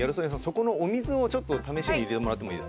そこのお水をちょっと試しに入れてもらってもいいですか？